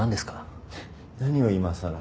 何をいまさら。